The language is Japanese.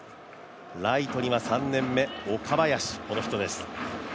ライトには３年目、岡林です。